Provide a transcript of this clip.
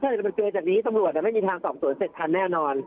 อาจจะไปเจอจากนี้ตำรวจไม่มีทางสอบสวนเสร็จทันแน่นอน